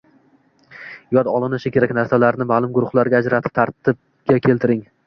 Yod olinishi kerak narsalarni ma’lum guruhlarga ajratib, tartibga keltiring.